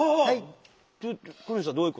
はい。